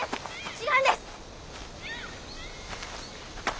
違うんです！